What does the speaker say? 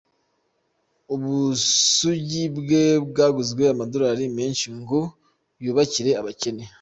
Ubusugi bwe bwaguzwe Amadorali menshi ngo yubakire abakene